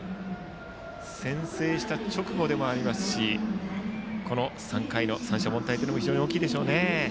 先制した直後でもありますしこの３回の三者凡退も非常に大きいでしょうね。